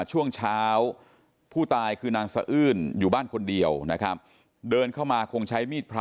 ช่วงเช้าผู้ตายคือนางสะอื้นอยู่บ้านคนเดียวนะครับเดินเข้ามาคงใช้มีดพระ